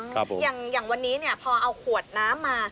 อย่างวันนี้พอเอาขวดน้ำมา